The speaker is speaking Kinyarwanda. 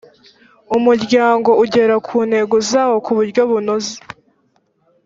umuryango ugera ku ntego zawo ku buryo bunoze